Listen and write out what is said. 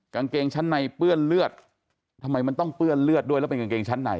กางเกงชั้นในเปื้อนเลือดทำไมมันต้องเปื้อนเลือดด้วยแล้วเป็นกางเกงชั้นใน